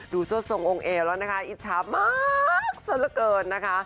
เสื้อทรงองค์เอแล้วนะคะอิจฉามากซะละเกินนะคะ